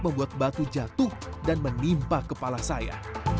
membuat batu jatuh dan menimpa kepala saya